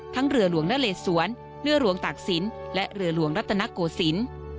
เรือหลวงนเลสวนเรือหลวงตากศิลป์และเรือหลวงรัตนโกศิลป์